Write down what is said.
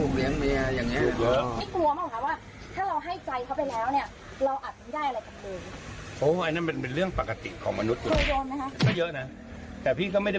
เพราะตั้งเงินเดือนให้ผมก็ไปเรียงลูกเรียงเมียอย่างนี้